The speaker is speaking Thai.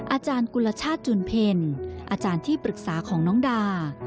อาจารย์กุลชาติจุนเพลอาจารย์ที่ปรึกษาของน้องดา